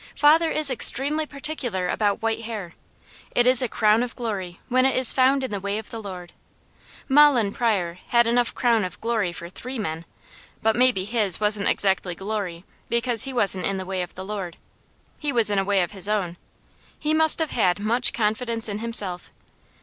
Father is extremely particular about white hair. It is a "crown of glory," when it is found in the way of the Lord. Mahlon Pryor had enough crown of glory for three men, but maybe his wasn't exactly glory, because he wasn't in the way of the Lord. He was in a way of his own. He must have had much confidence in himself.